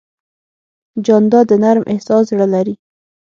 جانداد د نرم احساس زړه لري.